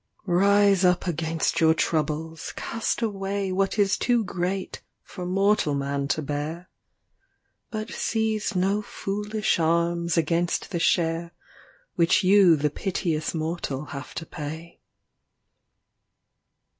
LX XV Rise up against your troubles, cast away What is too great for mortal man to bear. But seize no foolish arms against the share Which you the piteous mortal have to pay.